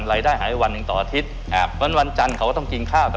รายได้ขายได้๑ต่ออาทิตย์